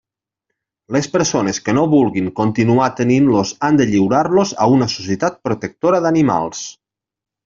Les persones que no vulguin continuar tenint-los han de lliurar-los a una societat protectora d'animals.